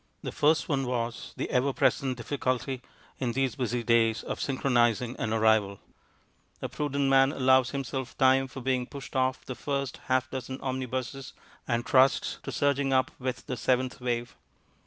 The first one was the ever present difficulty in these busy days of synchronizing an arrival. A prudent man allows himself time for being pushed off the first half dozen omnibuses and trusts to surging up with the seventh wave.